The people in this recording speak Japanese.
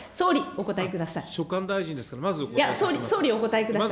総理、お答えください。